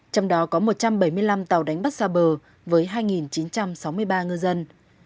trong đó có một trăm bảy mươi năm tàu đánh bắt xa bờ với hai chín trăm sáu mươi ba ngư dân